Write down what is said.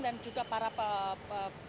dan juga para penonton